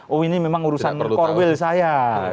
oh ini memang urusan korwil saya